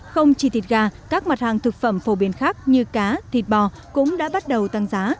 không chỉ thịt gà các mặt hàng thực phẩm phổ biến khác như cá thịt bò cũng đã bắt đầu tăng giá